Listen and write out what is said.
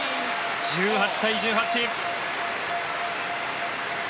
１８対１８。